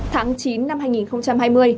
tháng chín năm hai nghìn hai mươi